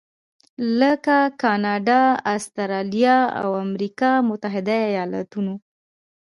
لکه کاناډا، اسټرالیا او امریکا متحده ایالتونو.